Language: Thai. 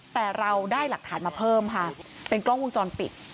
แต่เราได้หลักฐานมาเพิ่มค่ะเป็นกล้องวงจรปิด